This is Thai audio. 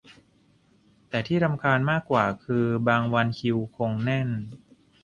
แต่ที่รำคาญมากกว่าคือบางวันคิวคงแน่น